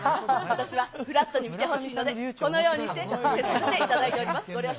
私はフラットに見てほしいので、このようにして伏せさせていただいております。